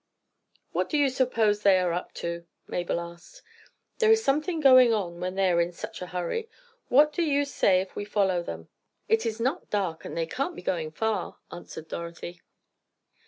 "What do you suppose they are up to?" Mabel asked. "There is something going on when they are in such a hurry. What do you say if we follow them? It is not dark, and they can't be going far," answered Dorothy.